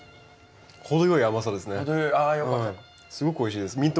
すごくおいしいです。